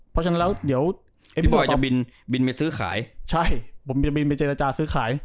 พี่บอยจะบินไปซื้อขายใช่ผมจะบินไปเจรจาซื้อขาย